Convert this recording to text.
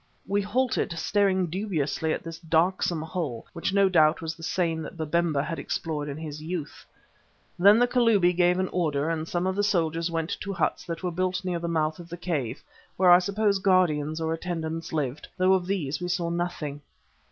We halted, staring dubiously at this darksome hole, which no doubt was the same that Babemba had explored in his youth. Then the Kalubi gave an order, and some of the soldiers went to huts that were built near the mouth of the cave, where I suppose guardians or attendants lived, though of these we saw nothing.